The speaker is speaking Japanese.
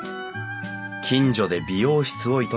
近所で美容室を営み